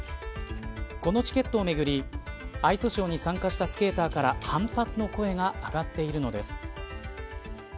このチケットをめぐりアイスショーに参加したスケーターから反発の声が上がっているのです。